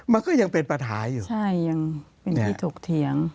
มันก็ยังเป็นปัญหาอยู่ใช่ยังเป็นที่ถกเถียง